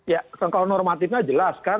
ya sangkaan normatifnya jelas kan